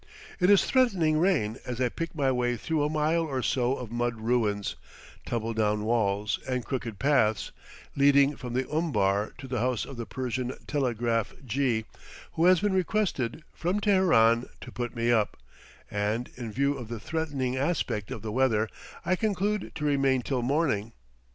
It is threatening rain as I pick my way through a mile or so of mud ruins, tumble down walls, and crooked paths, leading from the umbar to the house of the Persian telegraph jee, who has been requested, from Teheran, to put me up, and, in view of the threatening aspect of the weather, I conclude to remain till morning.